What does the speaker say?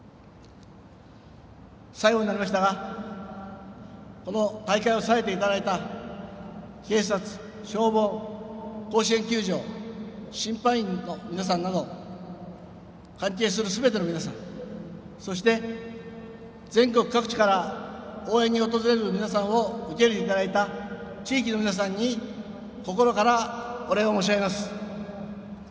最後になりましたがこの大会を支えていただいた警察、消防、甲子園球場審判員の皆さんなど関係するすべての皆さんそして、全国各地から応援に訪れる皆さんを受け入れていただいた地域の皆さんに心からお礼を申し上げます。